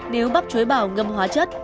nếu bắp chuối bào ngâm hóa chất